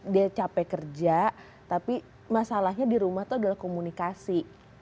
dia capek kerja tapi masalahnya di rumah itu adalah komunikasi